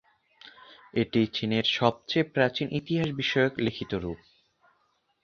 এটি চীনের সবচেয়ে প্রাচীন ইতিহাস বিষয়ক লিখিত রূপ।